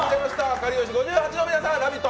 かりゆし５８の皆さん「ラヴィット！」